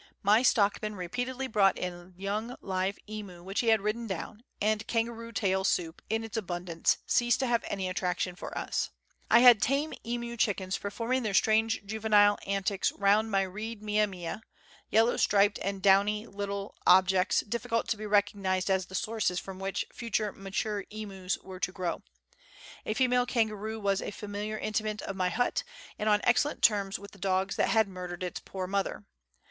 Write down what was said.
My stockman repeatedly brought in young live emu, which he had ridden down ; and kangaroo tail soup, in its abundance, ceased to have any attraction for us. I had tame emu chickens performing their strange juvenile antic* Letters from Victorian Pioneers. 217 round my reed mia mia yellow striped and downy little objects, difficult to be recognised as the sources from which future mature emus were to grow. A female kangaroo was a familiar intimate of my hut, and on excellent terms with the dogs that had murdered its poor mother.